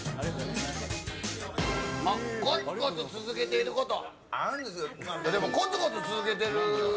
コツコツ続けていること。